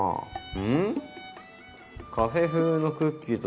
うん。